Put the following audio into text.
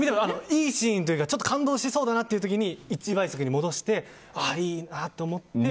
いいシーンというか感動しそうだなっていう時に１倍速に戻してああ、いいなと思って。